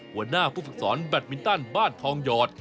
หัวหน้าผู้ฝึกสอนแบตมินตันบ้านทองหยอด